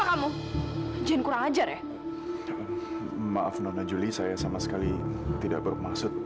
aku akan mencari kamu